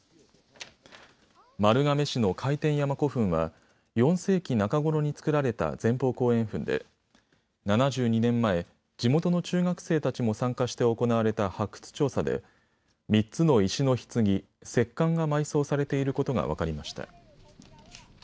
丸亀市の快天山古墳は４世紀中頃に造られた前方後円墳で７２年前、地元の中学生たちも参加して行われた発掘調査で３つの石のひつぎ、石棺が埋葬されていることが分かりました。